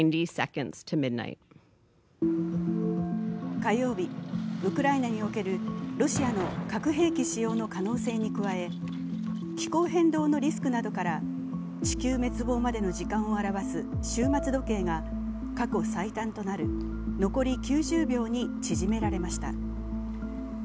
火曜日、ウクライナにおけるロシアの核兵器使用の可能性に加え気候変動のリスクなどから地球滅亡までの時間を表す終末時計が過去最短となる残り９０秒にまで縮められました。